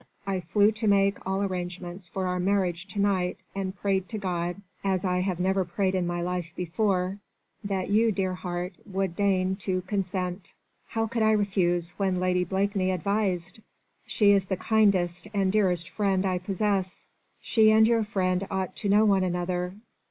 I flew to make all arrangements for our marriage to night and prayed to God as I have never prayed in my life before that you, dear heart, would deign to consent." "How could I refuse when Lady Blakeney advised? She is the kindest and dearest friend I possess. She and your friend ought to know one another.